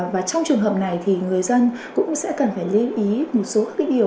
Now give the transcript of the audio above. và trong trường hợp này thì người dân cũng sẽ cần phải lưu ý một số các điều